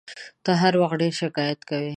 ته هر وخت ډېر شکایت کوې !